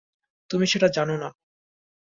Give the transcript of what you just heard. তুমি সেটা জানো না।